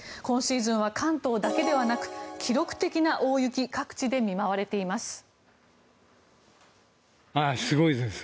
今シーズンは関東だけでなく記録的な大雪に各地で見舞われています。